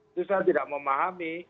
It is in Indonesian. itu saya tidak memahami